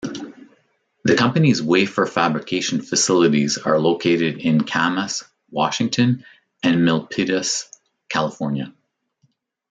The company's wafer fabrication facilities are located in Camas, Washington and Milpitas, California.